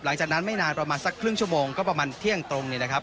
หลังจากนั้นไม่นานประมาณสักครึ่งชั่วโมงก็ประมาณเที่ยงตรงนี้นะครับ